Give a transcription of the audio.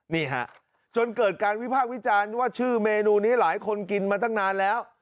นี่ฮะจนเกิดการวิพากษ์วิจารณ์ว่าชื่อเมนูนี้หลายคนกินมาตั้งนานแล้ว